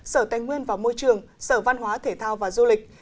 sở tài nguyên và môi trường sở văn hóa thể thao và du lịch